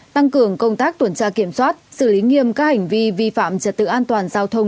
tăng cường công tác tuần tra kiểm soát xử lý nghiêm các hành vi vi phạm trật tự an toàn giao thông